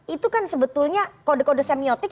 itu kan sebetulnya kode kode semiotik